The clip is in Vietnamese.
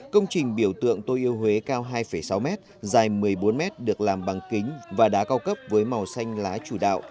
công trình biểu tượng tôi yêu huế cao hai sáu mét dài một mươi bốn mét được làm bằng kính và đá cao cấp với màu xanh lá chủ đạo